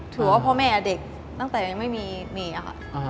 ถือว่าพ่อแม่เด็กตั้งแต่ยังไม่มีนี่ค่ะ